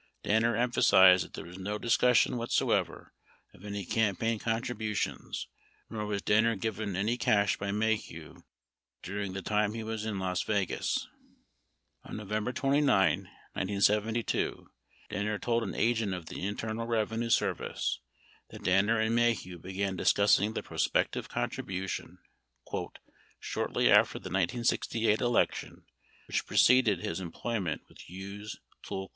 Danner empha sized that there was no discussion whatsoever of any campaign con tributions, nor was Danner given any cash by Maheu during the time he was in Las Vegas. 69 On November 29, 1912, Danner told an agent of the Internal Reve nue Service that Danner and Maheu began discussing the prospective contribution "shortly after the 1968 election, which preceded his em ployment with Hughes Tool Co."